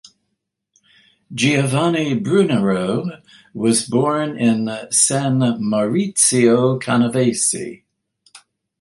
Giovanni Brunero was born in San Maurizio Canavese.